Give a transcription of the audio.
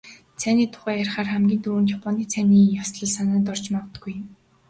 Цайны тухай ярихаар хамгийн түрүүнд "Японы цайны ёслол" санаанд орж магадгүй.